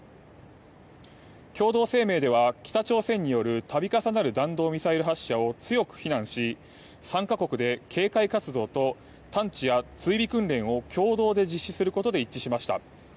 共同声明では北朝鮮による度重なる弾道ミサイル発射を強く非難し３か国で警戒活動と探知や追尾訓練を共同で実施することで一致しました。